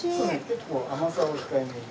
結構甘さを控えめに。